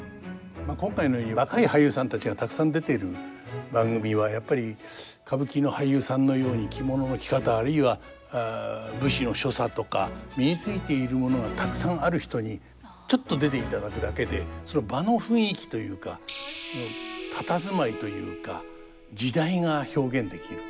今回のように若い俳優さんたちがたくさん出ている番組はやっぱり歌舞伎の俳優さんのように着物の着方あるいは武士の所作とか身についているものがたくさんある人にちょっと出ていただくだけでその場の雰囲気というか佇まいというか時代が表現できる。